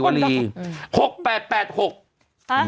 สวัสดีครับคุณผู้ชม